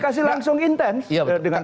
komunikasi langsung intens